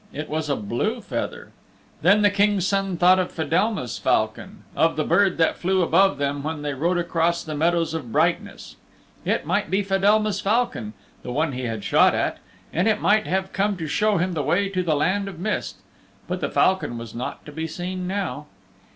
It was a blue feather. Then the King's Son thought of Fedelma's falcon of the bird that flew above them when they rode across the Meadows of Brightness. It might be Fedelma's falcon, the one he had shot at, and it might have come to show him the way to the Land of Mist. But the falcon was not to be seen now.